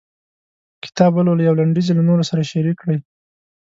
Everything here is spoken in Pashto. کتاب ولولئ او لنډيز یې له نورو سره شريک کړئ.